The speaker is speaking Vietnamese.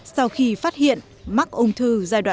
sau khi phát hiện mắc ung thư